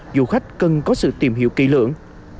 dù khách cần có sự tìm hiểu kỳ lưỡng